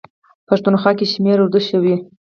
پښتونخوا کې شمېرې اردو شوي.